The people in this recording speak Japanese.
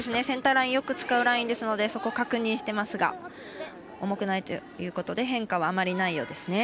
センターラインよく使うラインですのでそこ確認していますが重くないということで変化はあまりないようです。